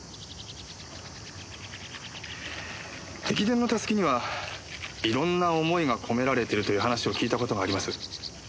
駅伝のたすきにはいろんな思いが込められてるという話を聞いた事があります。